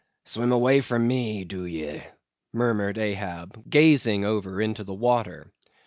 "Swim away from me, do ye?" murmured Ahab, gazing over into the water.